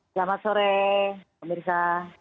selamat sore pak mirsa